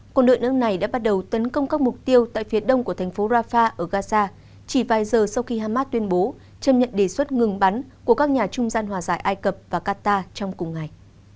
quân đội nước này đã bắt đầu tấn công các mục tiêu tại phía đông của thành phố rafah ở gaza chỉ vài giờ sau khi hamas tuyên bố chấp nhận đề xuất ngừng bắn của các nhà trung gian hòa giải ai cập và qatar trong cùng ngày